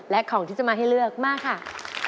และของที่จะมาให้เลือกมาค่ะ